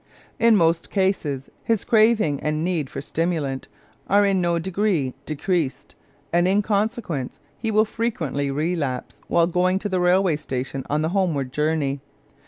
In most cases his craving and need for stimulant are in no degree decreased, and in consequence he will frequently relapse while going to the railway station on the homeward journey.